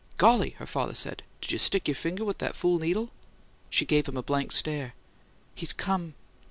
"Golly!" her father said. "Did you stick your finger with that fool needle?" She gave him a blank stare. "He's come!"